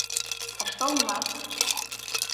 А што ў нас?